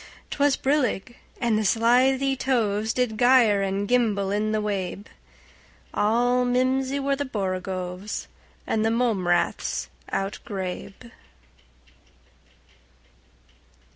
'T was brillig, and the slithy tovesDid gyre and gimble in the wabe; All mimsy were the borogoves, And the mome raths outgrabe.